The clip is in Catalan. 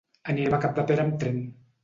Anirem a Capdepera amb tren.